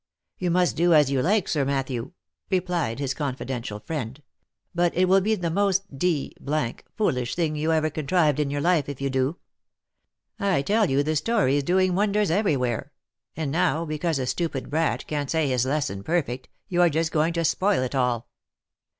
" You must do as you like, Sir Matthew," replied his confidential friend, "but it will be the most d — d foolish thing you ever contrived in your life, if you do. I tell you the story is doing wonders every where ; and now, because a stupid brat can't say his lesson perfect, you are just going to spoil it all."